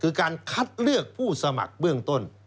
คือการคัดเลือกผู้สมัครเบื้องต้น